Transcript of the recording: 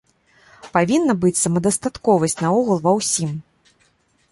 Павінна быць самадастатковасць наогул ва ўсім.